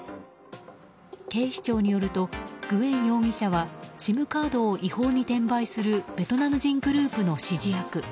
警視庁によると、グエン容疑者はＳＩＭカードを違法に転売するベトナム人グループの指示役。